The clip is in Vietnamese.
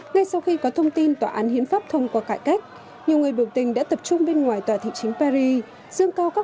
ngay sau khi có thông tin tòa án hiến pháp thông qua cải cách nhiều người bầu tình đã tập trung bên ngoài tòa thị chính paris